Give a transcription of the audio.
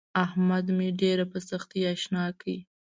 احمد مې ډېره په سختي اشنا کړ.